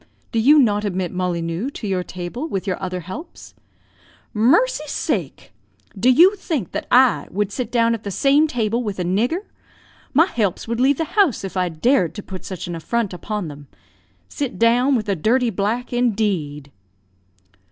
Do you not admit Mollineux to your table with your other helps?" "Mercy sake! do you think that I would sit down at the same table with a nigger? My helps would leave the house if I dared to put such an affront upon them. Sit down with a dirty black, indeed!"